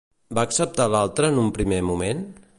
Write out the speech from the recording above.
Va acceptar l'altre en un primer moment?